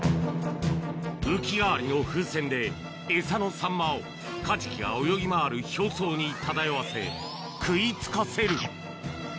浮き代わりの風船で、餌のサンマを、カジキが泳ぎ回る表層に漂わせ、食いつかせる。